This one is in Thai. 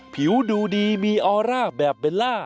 ผิวดูดีมีออร่าแบบเบลล่า